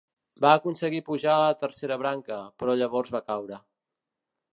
Va aconseguir pujar a la tercera branca, però llavors va caure.